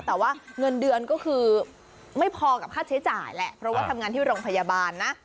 แต่ว่าเงินเดือนก็คือไม่พอกับค่าใช้จ่ายแหละเพราะว่าทำงานที่โรงพยาบาลนะ